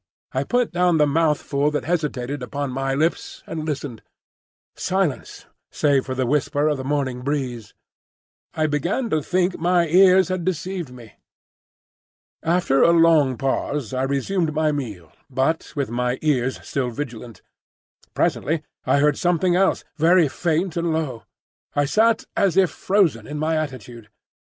I put down the mouthful that hesitated upon my lips, and listened. Silence, save for the whisper of the morning breeze. I began to think my ears had deceived me. After a long pause I resumed my meal, but with my ears still vigilant. Presently I heard something else, very faint and low. I sat as if frozen in my attitude.